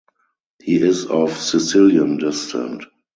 He is of Sicilian descent.